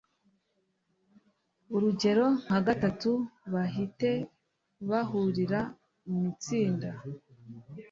urugero nka gatatu, bahite bahurira mu itsinda